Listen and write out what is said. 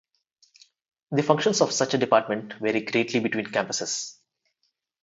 The functions of such a department vary greatly between campuses.